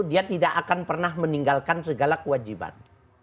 dia tidak akan pernah meninggalkan segala kewajiban